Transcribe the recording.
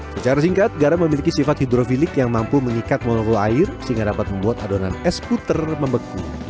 secara singkat garam memiliki sifat hidrofilik yang mampu mengikat molo air sehingga dapat membuat adonan es puter membeku